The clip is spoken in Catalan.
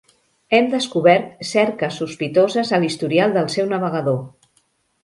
Hem descobert cerques sospitoses a l'historial del seu navegador.